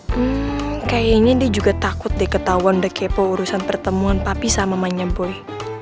hmm kayaknya dia juga takut deh ketauan udah kepo urusan pertemuan papi sama emangnya boy